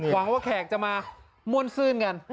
หวังว่าแขกจะมาม่วนซื่นกัน